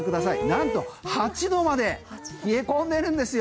なんと８度まで冷え込んでるんですよ。